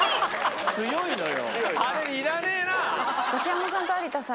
強いのよ。